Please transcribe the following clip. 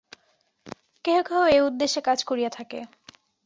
কেহ কেহ এই উদ্দেশ্যে কাজ করিয়া থাকে।